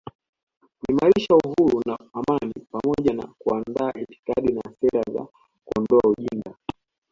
kuimarisha uhuru na amani pamoja na kuandaa itikadi na sera za kuondoa ujinga